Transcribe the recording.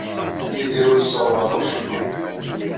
Yidir ur yessaweḍ ɣer wacemma.